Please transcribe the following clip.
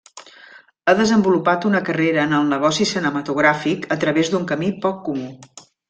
Ha desenvolupat una carrera en el negoci cinematogràfic a través d'un camí poc comú.